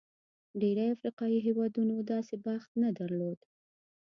ډېری افریقايي هېوادونو داسې بخت نه درلود.